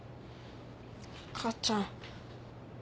母ちゃん。